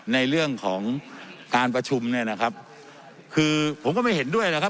ในเรื่องของการประชุมเนี่ยนะครับคือผมก็ไม่เห็นด้วยนะครับ